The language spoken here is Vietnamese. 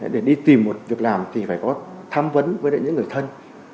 để đi tìm một việc làm thì phải có tham vấn với những người thân